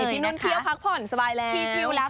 พี่นุ่นเที่ยวพักผ่อนสบายแล้วชิวแล้ว